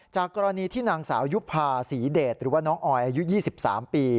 จากกรณีที่นางสาวยุภาษีเดชหรือว่าน้องออยอายุ๒๓ปี